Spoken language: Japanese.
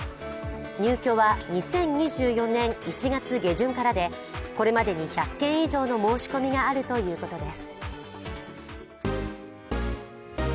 入居は２０２４年１月下旬からで、これまでに１００件以上の申し込みがあるということです。